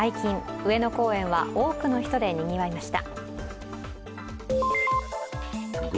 上野公園は多くの人でにぎわいました。